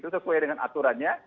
sesuai dengan aturannya